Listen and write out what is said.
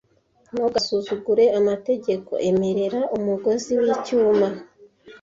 Ntugasuzugure amategeko - emerera umugozi wicyuma